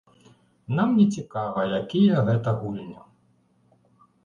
Нам не цікава, якія гэта гульні.